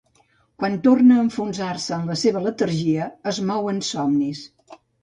Quan torna a enfonsar-se en la seva letargia, es mou en somnis.